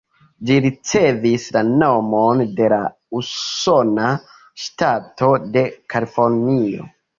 Ĝi ricevis la nomon de la usona ŝtato de Kalifornio.